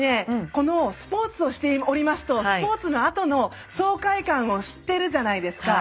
このスポーツをしておりますとスポーツのあとの爽快感を知ってるじゃないですか。